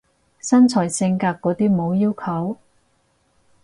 身材性格嗰啲冇要求？